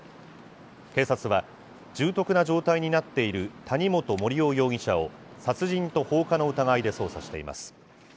警察は、重篤な状態になっている谷本盛雄容疑者を、殺人と放火の疑いで捜査しています。